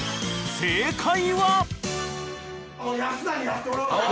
［正解は？］